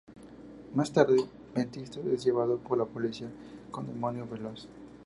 Más tarde, Ventisca es llevado por la Policía con Demonio Veloz.